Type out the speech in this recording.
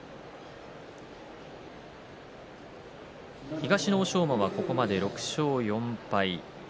東の欧勝馬はここまで６勝４敗。